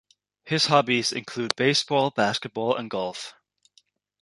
His hobbies include baseball, basketball and golf.